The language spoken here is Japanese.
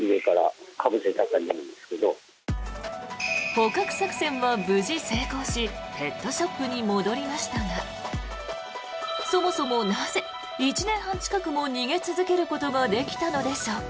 捕獲作戦は無事成功しペットショップに戻りましたがそもそもなぜ、１年半近くも逃げ続けることができたのでしょうか。